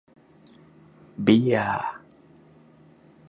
เบียร์ !